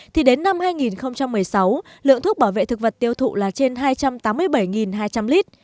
thì đến năm hai nghìn một mươi sáu lượng thuốc bảo vệ thực vật tiêu thụ là trên hai trăm tám mươi bảy hai trăm linh lít